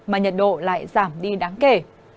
mà nhiệt độ lại giảm đi đáng kể